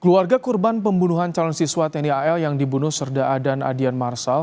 keluarga korban pembunuhan calon siswa tni al yang dibunuh serda adan adian marsal